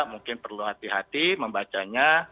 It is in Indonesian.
mungkin perlu hati hati membacanya